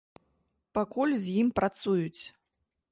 Пакуль з ім працуюць.